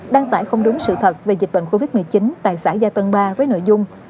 đăng tải không đúng sự thật về dịch bệnh covid một mươi chín tại xã gia tân ba với nội dung